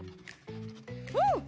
うん！